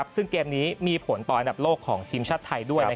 ซึ่งเกมนี้มีผลต่ออันดับโลกของทีมชาติไทยด้วย